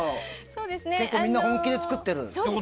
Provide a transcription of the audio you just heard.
みんな本気で作ってる。